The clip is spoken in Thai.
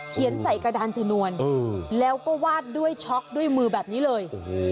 ใส่กระดานชนวนแล้วก็วาดด้วยช็อกด้วยมือแบบนี้เลย